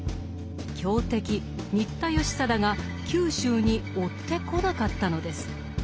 強敵新田義貞が九州に追ってこなかったのです。